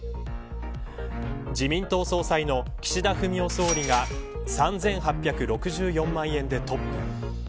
自民党総裁の岸田文雄総理が３８６４万円でトップ。